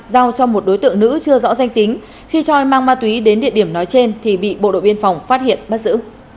giao cho một đối tượng nữ chưa rõ danh tính khi choi mang ma túy đến địa điểm nói trên thì bị bộ đội biên phòng phát hiện bắt giữ